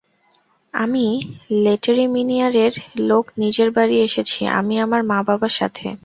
আমি লেটেরেমিনিয়ারের লোক নিজের বাড়ি এসেছি আমি আমার মা বাবার সাথে।